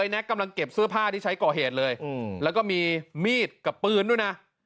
แก๊กกำลังเก็บเสื้อผ้าที่ใช้ก่อเหตุเลยแล้วก็มีมีดกับปืนด้วยนะ